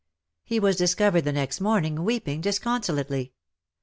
He was dis covered the next morning weeping disconsol ately.